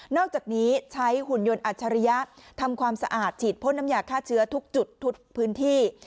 อกจากนี้ใช้หุ่นยนต์อัจฉริยะทำความสะอาดฉีดพ่นน้ำยาฆ่าเชื้อทุกจุดทุกพื้นที่